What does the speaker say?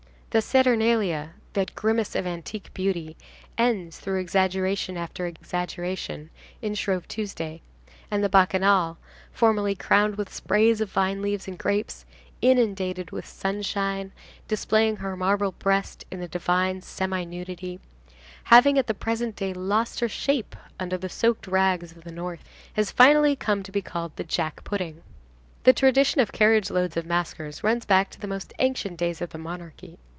The Saturnalia, that grimace of antique beauty, ends, through exaggeration after exaggeration, in Shrove Tuesday; and the Bacchanal, formerly crowned with sprays of vine leaves and grapes, inundated with sunshine, displaying her marble breast in a divine semi nudity, having at the present day lost her shape under the soaked rags of the North, has finally come to be called the Jack pudding. The tradition of carriage loads of maskers runs back to the most ancient days of the monarchy.